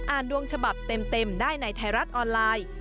ดวงฉบับเต็มได้ในไทยรัฐออนไลน์